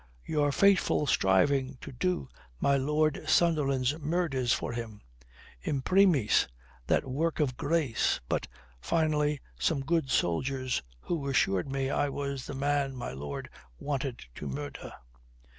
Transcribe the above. Your faithful striving to do my Lord Sunderland's murders for him. Imprimis, that work of grace. But, finally, some good soldiers who assured me I was the man my lord wanted to murder."